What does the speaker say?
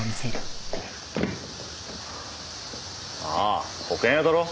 ああ保険屋だろ？